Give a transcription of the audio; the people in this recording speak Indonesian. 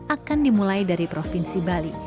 akan dimulai dari provinsi bali